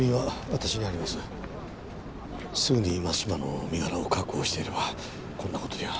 すぐに松島の身柄を確保していればこんな事には。